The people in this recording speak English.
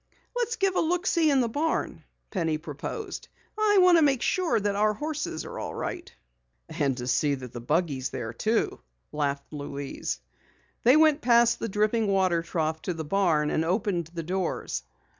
"Let's give a look see in the barn," Penny proposed. "I want to make sure that our horses are all right." "And to see that the buggy is there too," laughed Louise. They went past the dripping water trough to the barn and opened the doors.